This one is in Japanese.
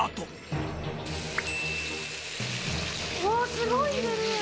すごい入れる！